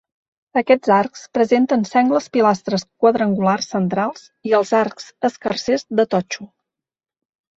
Aquests arcs presenten sengles pilastres quadrangulars centrals i els arcs escarsers de totxo.